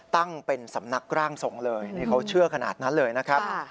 ตั้งเป็นสำนักร่างทรงเลยนี่เขาเชื่อขนาดนั้นเลยนะครับ